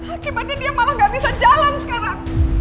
akibatnya dia malah gak bisa jalan sekarang